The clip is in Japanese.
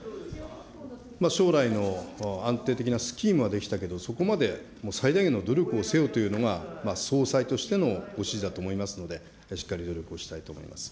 将来の安定的なスキームはできたけど、そこまで最大限の努力をせよというのが、総裁としてのご指示だと思いますので、しっかり努力をしたいと思います。